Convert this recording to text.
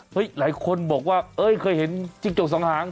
หลายคนบอกว่าเอ้ยเคยเห็นจิ้งจกสองหาง